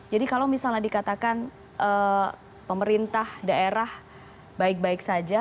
jadi kalau misalnya dikatakan pemerintah daerah baik baik saja